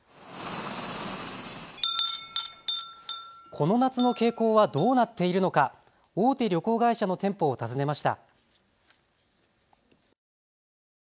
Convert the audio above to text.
この夏の傾向はどうなっているのか、大手旅行会社の店舗を訪ねました。